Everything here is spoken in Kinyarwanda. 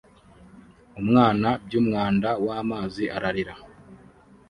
Umwana by umwanda wamazi ararira